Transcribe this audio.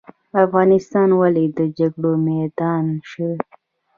افغانستان ولې د جګړو میدان شو؟